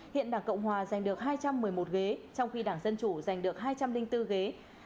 hiện đảng cộng hòa giành được hai trăm một mươi một ghế trong khi đảng dân chủ giành được hai trăm linh bốn ghế